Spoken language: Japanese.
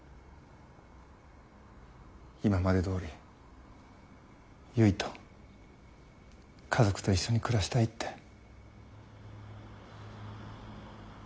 今までどおり結と家族と一緒に暮らしたいって。